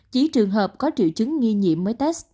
chỉ trường hợp có triệu chứng nghi nhiễm mới test